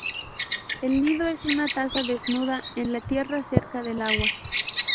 El nido es una taza desnuda en la tierra cerca del agua.